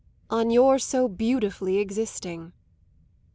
"On your so beautifully existing."